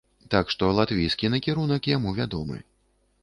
Так што латвійскі накірунак яму вядомы.